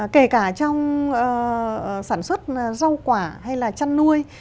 kể cả trong sản xuất rau quả hay là chăn nuôi